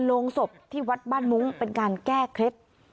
โรงศพที่วัดบ้านมุ้งเป็นการแก้เคล็ด